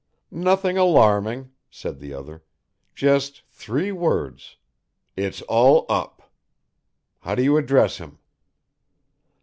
"Nothing alarming," said the other. "Just three words. 'It's all up' how do you address him?"